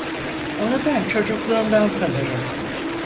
Onu ben çocukluğumdan tanırım.